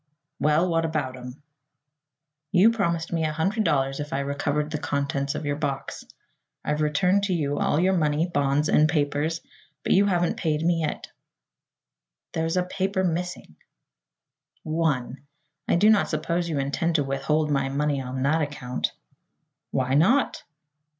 "Well, what about 'em?" "You promised me a hundred dollars if I recovered the contents of your box. I've returned to you all your money, bonds and papers; but you haven't paid me yet." "There's a paper missing." "One. I do not suppose you intend to withhold my money on that account." "Why not?"